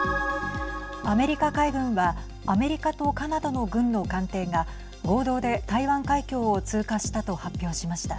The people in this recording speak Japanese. アメリカ海軍はアメリカとカナダの軍の艦艇が合同で台湾海峡を通過したと発表しました。